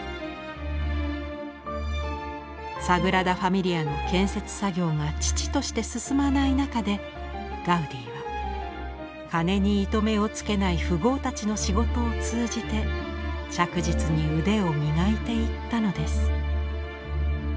サグラダ・ファミリアの建設作業が遅々として進まない中でガウディは金に糸目をつけない富豪たちの仕事を通じて着実に腕を磨いていったのです。